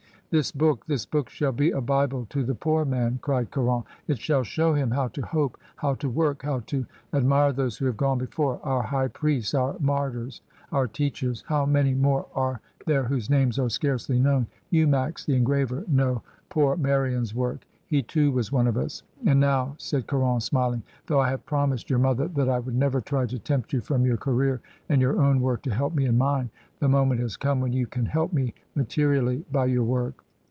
"This book — this book shall be a Bible to the poor man," cried Caron: "it shall show him how to hope, how to work, how to ad mire those who have gone before — our high piiests, our martyrs, our teachers. How many more arc MONSIEUR CARON's HISTORY OF SOCIALISM. 20? there whose names are scarcely known? You, Max the engraver, know poor Meryon's work; he too was one of us. And now," said Caron smiling, "though I have promised your mother that I would never try to tempt you from your career and your own work to help me in mine, the moment has come when you can help me materially by your work.